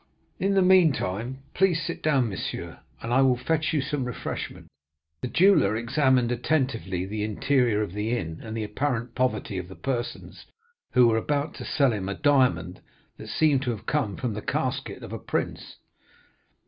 In the meantime please to sit down, monsieur, and I will fetch you some refreshment.' "The jeweller examined attentively the interior of the inn and the apparent poverty of the persons who were about to sell him a diamond that seemed to have come from the casket of a prince.